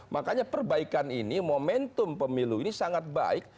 makanya perbaikan ini momentum pemilu ini sangat baik